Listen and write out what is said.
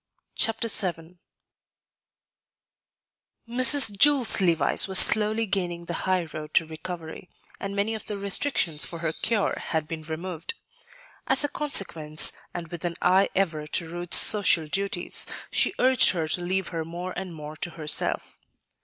Chapter VII Mrs. Jules Levice was slowly gaining the high road to recovery, and many of the restrictions for her cure had been removed. As a consequence, and with an eye ever to Ruth's social duties, she urged her to leave her more and more to herself.